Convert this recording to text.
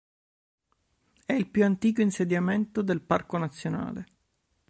È il più antico insediamento del parco nazionale.